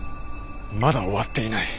まだ終わっていない。